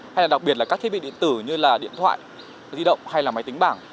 hay là đặc biệt là các thiết bị điện tử như là điện thoại di động hay là máy tính bảng